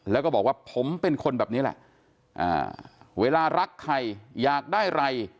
แล้วก็บอกว่าผมเป็นคนแบบนี้แหละเวลารักใครอยากได้อะไร